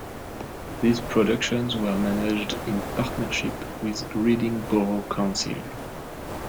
These productions were managed in partnership with Reading Borough Council.